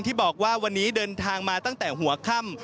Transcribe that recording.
ที่บอกว่าวันนี้เดินทางมาตั้งแต่หัวค่ำ